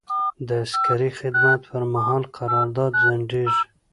د عسکري خدمت پر مهال قرارداد ځنډیږي.